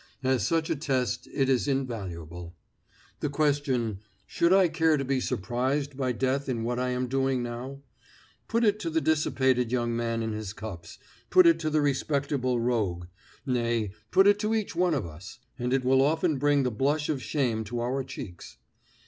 As such a test it is invaluable. The question, "Should I care to be surprised by death in what I am doing now?" put it to the dissipated young man in his cups, put it to the respectable rogue nay, put it to each one of us, and it will often bring the blush of shame to our cheeks.